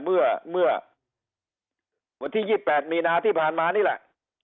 เมื่อวันที่๒๘มีนาที่ผ่านมานี่แหละ